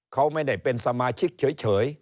เขาไม่ได้เป็นสมาชิกเฉย